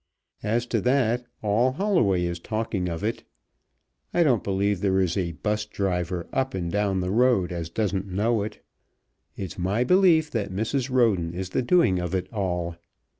As to that, all Holloway is talking of it. I don't believe there is a 'bus driver up and down the road as doesn't know it. It's my belief that Mrs. Roden is the doing of it all!